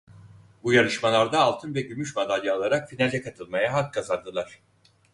Bu yarışmalarda altın ve gümüş madalya alarak Finale katılmaya hak kazandılar.